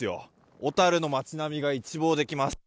小樽の街並みが一望できます。